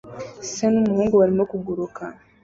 Se n'umuhungu barimo kuguruka